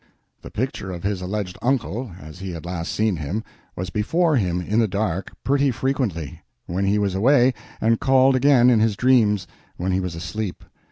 The picture of his alleged uncle, as he had last seen him, was before him in the dark pretty frequently, when he was awake, and called again in his dreams, when he was asleep.